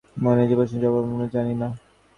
মানে, যে প্রশ্নের জবাব আমরা জানি না।